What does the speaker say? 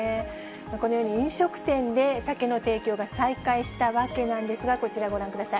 このように飲食店で酒の提供が再開したわけなんですが、こちらご覧ください。